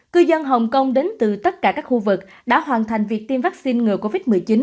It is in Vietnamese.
cư dân hồng kông đến từ tất cả các khu vực đã hoàn thành việc tiêm vaccine ngừa covid một mươi chín